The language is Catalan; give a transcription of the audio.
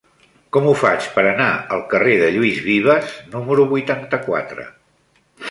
Com ho faig per anar al carrer de Lluís Vives número vuitanta-quatre?